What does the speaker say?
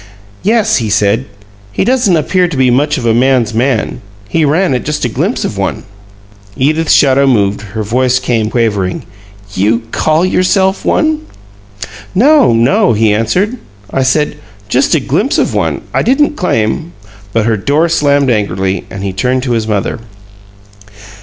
"Yes," he said. "He doesn't appear to be much of a 'man's man.' He ran at just a glimpse of one." Edith's shadow moved; her voice came quavering: "You call yourself one?" "No, no," he answered. "I said, 'just a glimpse of one.' I didn't claim " But her door slammed angrily; and he turned to his mother.